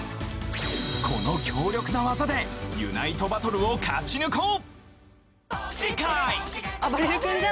この強力な技でＵＮＩＴＥバトルを勝ち抜こう！